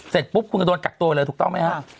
เสร็จปุ๊บคุณก็โดนกักตัวเลยถูกต้องไหมฮะ